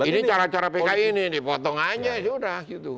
ini cara cara pki ini dipotong aja